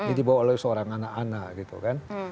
ini dibawa oleh seorang anak anak gitu kan